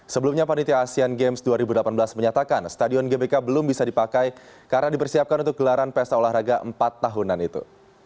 sebelumnya panitia asean games dua ribu delapan belas menyatakan stadion gbk belum bisa dipakai karena dipersiapkan untuk gelaran pesta olahraga empat tahunan itu